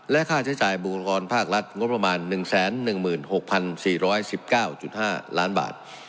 ค่าใช้จ่ายบุคลากรภาครัฐงบประมาณ๑๑๖๔๑๙๕ล้านบาท